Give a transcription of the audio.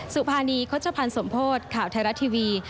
สุภานีโฆษภัณฑ์สมโพธิ์ข่าวไทยรัฐทีวี